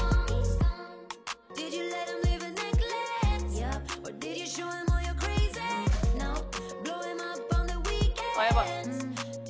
「やばい」